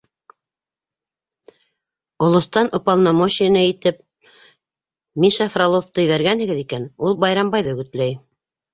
Олостан уполномоченный итеп Миша Фроловты ебәргәнһегеҙ икән, ул Байрамбайҙы өгөтләй: